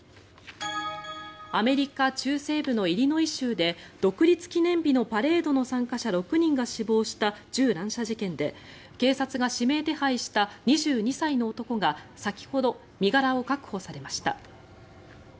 アメリカ中西部のイリノイ州で独立記念日のパレードの参加者６人が死亡した銃乱射事件で警察が指名手配した２２歳の男が先ほど、身柄を確保されました。